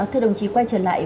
thưa đồng chí quay trở lại